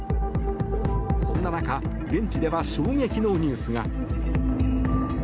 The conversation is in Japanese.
そんな中、現地では衝撃のニュースが。